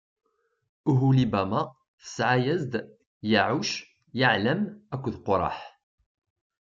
Uhulibama tesɛa-as-d: Yaɛuc, Yaɛlam akked Quraḥ.